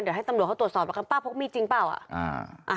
เดี๋ยวเขาตรวจสอบแล้วกันป้าพวกมีจริงหรือเปล่า